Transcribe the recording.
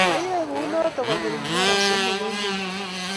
Ayae kunotok konyil mar somok eng kenyit